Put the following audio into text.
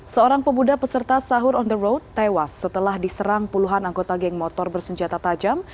seorang pemuda peserta sahur on the road tewas setelah diserang puluhan anggota geng motor bersenjata tajam